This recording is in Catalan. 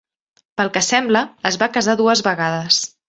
Pel que sembla, es va casar dues vegades.